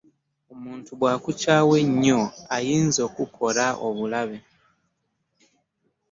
omuntu bw'akukyawa ennyo ayinza okukukolako obulabe.